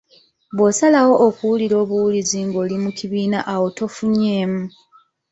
Bw’osalawo okuwulira obuwulizi ng’oli mu kibiina awo tofunyeemu.